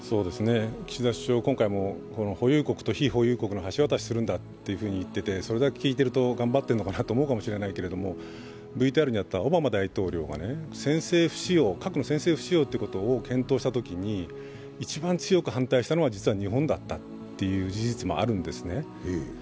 岸田首相、今回も保有国と非保有国の橋渡しをするんだと言っていて、それだけ聞いてると、頑張ってるのかなと思うかもしれないけどオバマ大統領が核の先制不使用ということを検討したときに一番強く反対したのは実は日本だったということもあるんですね。